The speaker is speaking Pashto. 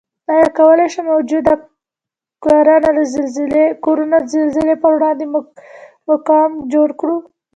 آیا کوای شو موجوده کورنه د زلزلې پروړاندې مقاوم جوړ کړو؟